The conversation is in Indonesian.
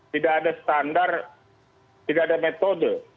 tidak ada standar tidak ada metode